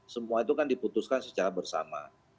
semua itu kan diputuskan secara bersama